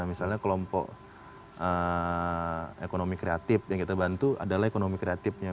misalnya kelompok ekonomi kreatif yang kita bantu adalah ekonomi kreatifnya